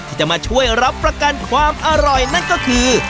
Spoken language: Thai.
ที่จะมาช่วยรับประกันความอร่อยนั่นก็คือ